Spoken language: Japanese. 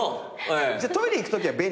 じゃあトイレ行くときは便利ですね。